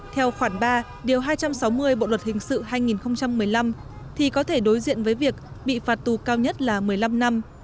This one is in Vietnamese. theo khoản ba điều hai trăm sáu mươi bộ luật hình sự hai nghìn một mươi năm thì có thể đối diện với việc bị phạt tù cao nhất là một mươi năm năm